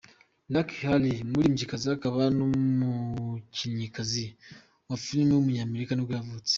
Lucy Hale, umuririmbyikazi akaba n’umukinnyikazi wa filime w’umunyamerika nibwo yvutse.